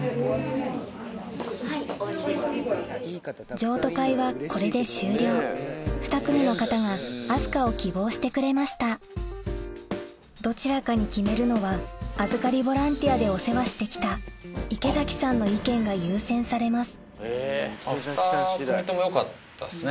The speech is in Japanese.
譲渡会はこれで終了２組の方が明日香を希望してくれましたどちらかに決めるのは預かりボランティアでお世話して来た池崎さんの意見が優先されます２組ともよかったですね。